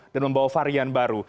dan membawa varian baru